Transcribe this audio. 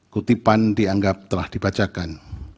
kutipan dianggap telah dibacakan